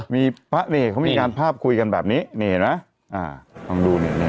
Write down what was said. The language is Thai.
มีพระเนกเขามีการภาพคุยกันแบบนี้นี่เห็นไหมอ่าลองดูเนี่ย